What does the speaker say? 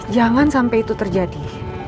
jangan sampai itu terjadi